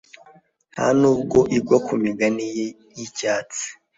ntanubwo igwa kumigani ye y'icyatsi